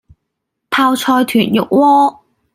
泡菜豚肉鍋